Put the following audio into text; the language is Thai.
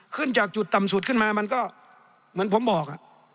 ขึ้นจากจุดต่ำสุดขึ้นมามันก็เหมือนผมบอก